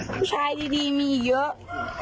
ผู้ชายดีมีเยอะ